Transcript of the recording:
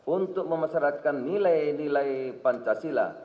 untuk memasyaratkan nilai nilai pancasila